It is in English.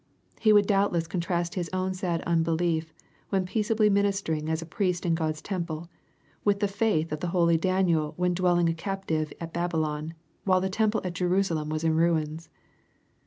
He would doubtless contrast his own sad unbelief, when peaceably ministering as a priest in God's temple, with the faith of holy Daniel when dwelling a captive at Babylon, while the temple at Jerusalem was in ruins.